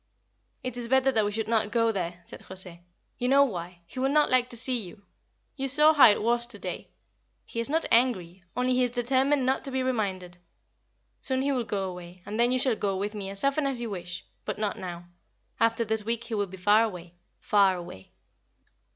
"It is better that we should not go there," said José. "You know why. He will not like to see you. You saw how it was to day. He is not angry, only he is determined not to be reminded. Soon he will go away, and then you shall go with me as often as you wish; but not now. After this week he will be far away far away."